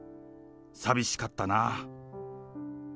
寂しかったなあ。